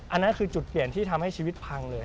อันนั้นคือจุดเปลี่ยนที่ทำให้ชีวิตพังเลย